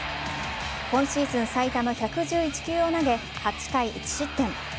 今シーズン最多の１１１球を投げ８回１失点。